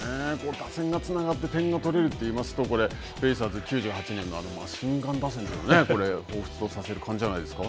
打線がつながって点が取れるといいますと、ベイスターズ、マシンガン打線のほうふつとさせる感じじゃないですか。